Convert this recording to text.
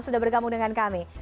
sudah bergabung dengan kami